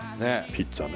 ピッツァね。